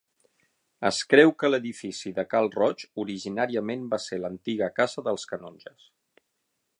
Es creu que l'edifici de Cal Roig originàriament va ser l'antiga casa dels canonges.